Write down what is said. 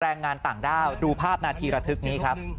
แรงงานต่างด้าวดูภาพนาทีระทึกนี้ครับ